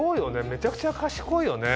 めちゃくちゃ賢いよね。